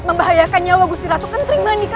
semoga saja kamu juga tidak mengapa apa